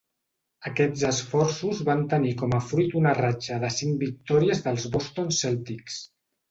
Aquests esforços van tenir com a fruit una ratxa de cinc victòries dels Boston Celtics.